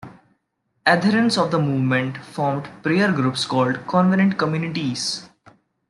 Adherents of the movement formed prayer groups called covenant communities.